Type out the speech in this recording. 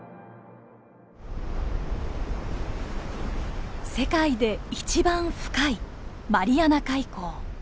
世界で一番深いマリアナ海溝。